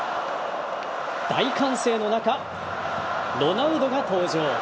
大歓声の中ロナウドが登場。